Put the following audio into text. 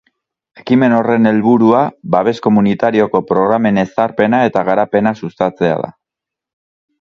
Ekimen horren helburua, babes komunitarioko programen ezarpena eta garapena sustatzea da.